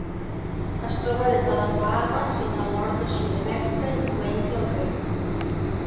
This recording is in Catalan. Es troba des de les Bahames fins al nord de Sud-amèrica, incloent-hi el Carib.